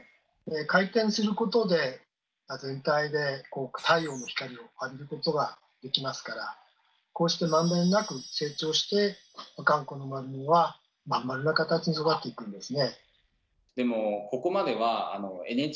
回転することで全体で太陽の光を浴びることができますからこうして満遍なく成長して阿寒湖のマリモはまん丸な形に育っていくんですね。